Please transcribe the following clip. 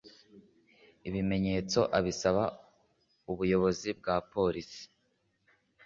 ibimenyetso abisaba ubuyobozi bwa Polisi